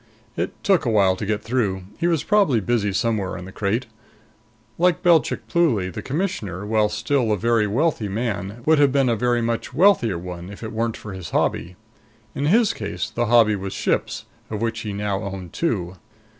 It took a while to get through; he was probably busy somewhere in the crate. Like Belchik Pluly, the Commissioner, while still a very wealthy man, would have been a very much wealthier one if it weren't for his hobby. In his case, the hobby was ships, of which he now owned two.